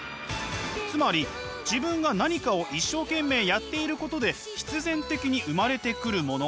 つまり自分が何かを一生懸命やっていることで必然的に生まれてくるもの